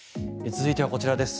続いてはこちらです。